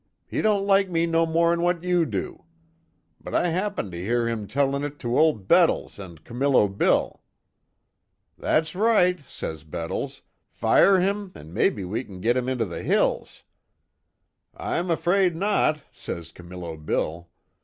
He don't like me no more'n what you do. But, I happened to hear him tellin' it to Old Bettles an' Camillo Bill. 'That's right,' says Bettles, 'fire him, an' maybe we kin git him into the hills.' 'I'm 'fraid not,' says Camillo Bill.